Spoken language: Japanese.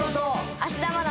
芦田愛菜の。